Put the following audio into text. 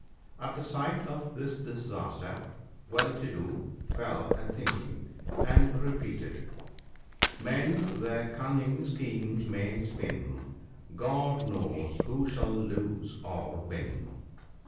At sight of this disaster Well to do fell a thinking, and repeated, —" Men their cunning schemes may spin — God knows who shall lose or win."